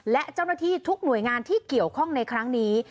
และเจ้าหน้าที่ทุกหน่วยงานที่เกี่ยวข้องในครั้งนี้